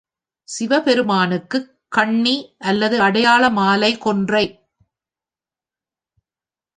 சிவபெருமானுக்குக் கண்ணி அல்லது அடையாள மாலை கொன்றை.